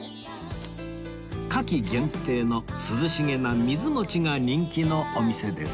夏季限定の涼しげなみずもちが人気のお店です